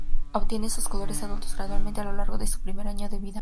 Obtienen sus colores adultos gradualmente a lo largo de su primer año de vida.